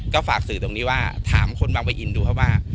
ก็ฝากสื่อตรงนี้ว่าถามคนบางปะอินดูครับว่า